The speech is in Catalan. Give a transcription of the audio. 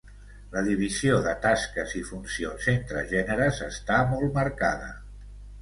La divisió de tasques i funcions entre gèneres està molt marcada.